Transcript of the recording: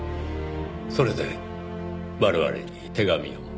それで我々に手紙を。